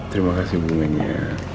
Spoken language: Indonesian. terima kasih bunganya